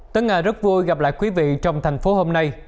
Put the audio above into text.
tân nga rất vui gặp lại quý vị trong thành phố hôm nay